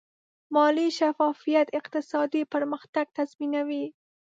مالي شفافیت اقتصادي پرمختګ تضمینوي.